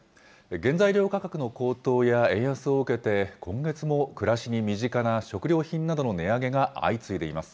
原材料価格の高騰や円安を受けて、今月も暮らしに身近な食料品などの値上げが相次いでいます。